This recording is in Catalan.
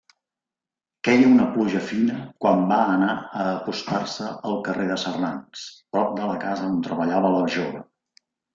Queia una pluja fina quan va anar a apostar-se al carrer de Serrans, prop de la casa on treballava la jove.